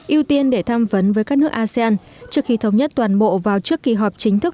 ưu tiên để tham vấn với các nước asean trước khi thống nhất toàn bộ vào trước kỳ họp chính thức